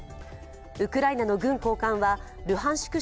ウクライナの軍高官はルハンシク